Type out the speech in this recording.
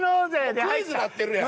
もうクイズになってるやん！